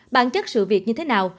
bản chất sự việc như thế nào